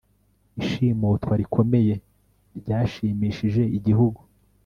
ishimutwa rikomeye ryashimishije igihugu